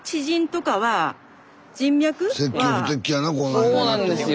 そうなんですよ。